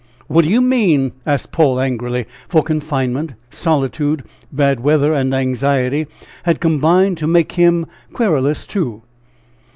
"What do you mean?" asked Paul, angrily, for confinement, solitude, bad weather, and anxiety, had combined, to make him querulous, too.